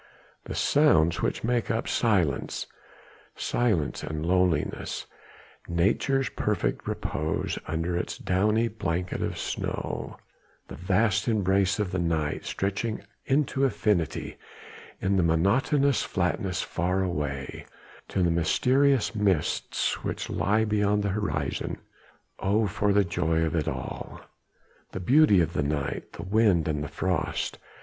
The sounds which make up silence silence and loneliness, nature's perfect repose under its downy blanket of snow, the vast embrace of the night stretching out into infinity in monotonous flatnesses far away, to the mysterious mists which lie beyond the horizon. Oh! for the joy of it all! the beauty of the night, the wind and the frost!